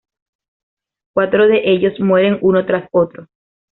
Cuatro de ellos mueren uno tras otro.